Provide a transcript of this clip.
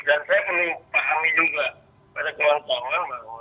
dan saya perlu pahami juga pada kawan kawan bahwa